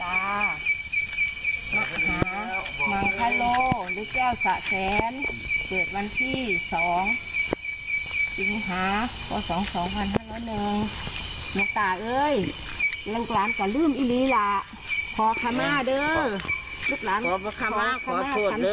อาจจะเป็นเพราะอย่างนั้นหรือเปล่าไปดูช่วงเหตุการณ์ตอนเผากันนะครับ